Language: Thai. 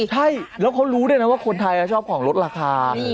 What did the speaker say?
ใช่แล้วเขารู้ด้วยนะว่าคนไทยชอบของลดราคา